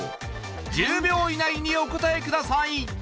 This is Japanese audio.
１０秒以内にお答えください